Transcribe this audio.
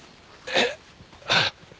えっ！？